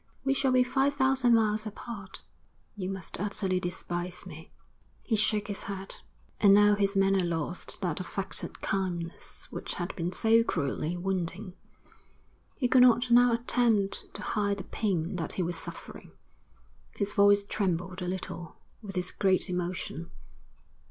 We shall be five thousand miles apart.' 'You must utterly despise me.' He shook his head. And now his manner lost that affected calmness which had been so cruelly wounding. He could not now attempt to hide the pain that he was suffering. His voice trembled a little with his great emotion.